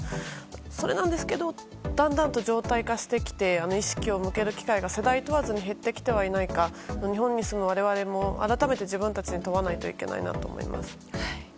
それなんですけどだんだんと常態化してきて意識を向ける機会が世代問わずに減ってきてはいないか日本に住む我々も改めて自分たちに問わないといけないなと思います。